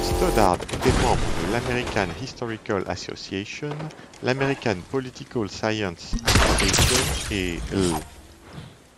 Stoddard était membre de l'American Historical Association, l'American Political Science Association et l'.